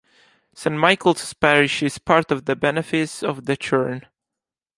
Saint Michael's parish is part of the Benefice of the Churn.